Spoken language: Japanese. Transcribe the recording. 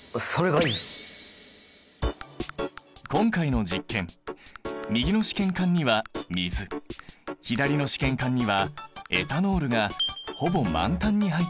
今回の実験右の試験管には水左の試験管にはエタノールがほぼ満タンに入っている。